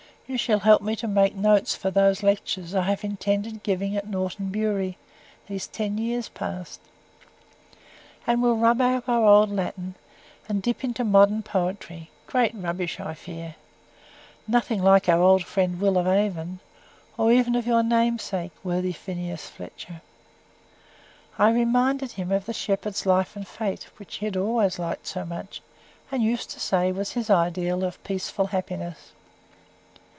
You shall help me to make notes for those lectures I have intended giving at Norton Bury, these ten years past. And we'll rub up our old Latin, and dip into modern poetry great rubbish, I fear! Nobody like our old friend Will of Avon, or even your namesake, worthy Phineas Fletcher." I reminded him of the "Shepherd's life and fate," which he always liked so much, and used to say was his ideal of peaceful happiness.